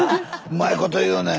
うまいこと言うね。